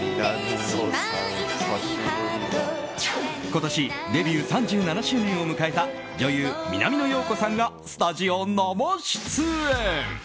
今年デビュー３７周年を迎えた女優・南野陽子さんがスタジオ生出演。